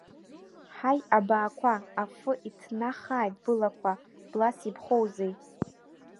Ҳаи, абаақәа, афы иҭнахааит былақәа, блас ибхоузеи?